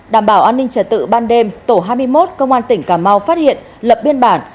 đảm bảo an ninh trật tự ban đêm tổ hai mươi một công an tỉnh cà mau phát hiện lập biên bản